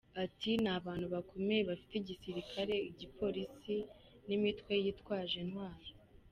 Ati “Ni abantu bakomeye, bafite igisirikare, igipolisi n’imitwe yitwaje intwaro.